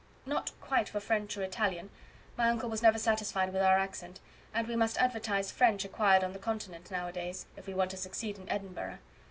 "Not quite for French or Italian. My uncle was never satisfied with our accent; and we must advertise French acquired on the Continent now a days, if we want to succeed in Edinburgh.